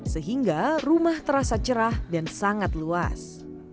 sehingga rumah terasa cerah dan sangat luas